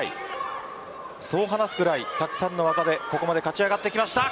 そう話すくらいたくさんの技でここまで勝ち上がってきました。